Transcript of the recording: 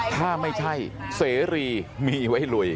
ถ้าไม่ใช่เสรีมีไว้ลุย